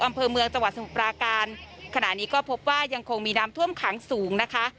อำเภอเมืองจังหวัดสมุทรปราการขณะนี้ก็พบว่ายังคงมีน้ำท่วมขังสูงนะคะ